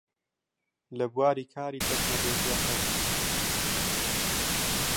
لە بواری کاری تەکنۆلۆژیاکان